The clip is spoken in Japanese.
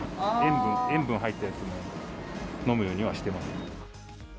塩分入ったやつも飲むようにはしてます。